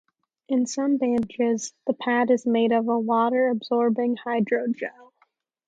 In some bandages, the pad is made of a water-absorbing hydrogel.